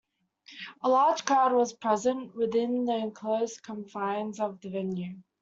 A large crowd was present within the enclosed confines of the venue.